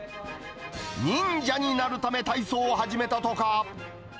忍者になるため、体操を始めたとか。